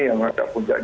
ya mungkin ya malam ini